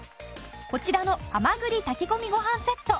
こちらの蛤炊き込みご飯セット